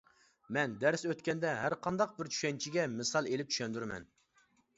مەن دەرس ئۆتكەندە ھەرقانداق بىر چۈشەنچىگە مىسال ئېلىپ چۈشەندۈرىمەن.